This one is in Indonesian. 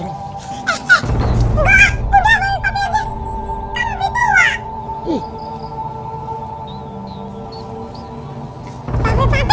udah mbak be papi aja